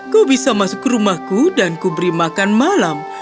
kau bisa masuk ke rumahku dan kuberi makan malam